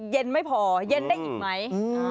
เย็นไม่พอเย็นได้อีกไหม